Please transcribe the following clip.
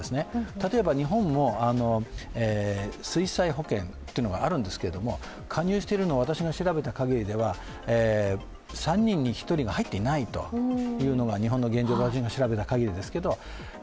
例えば日本も水害保険があるんですが、加入しているのは私が調べたかぎりでは、３人に１人が入っていないというのが日本の現状で私の調べたかぎりですが。